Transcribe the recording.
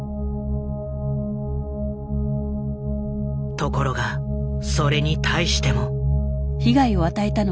ところがそれに対しても。